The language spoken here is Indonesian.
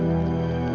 mama gak mau berhenti